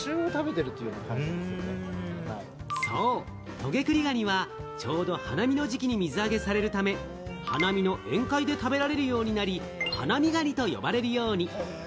トゲクリガニはちょうど花見の時期に水揚げされるため、花見の宴会で食べられるようになり、花見ガニと呼ばれるように。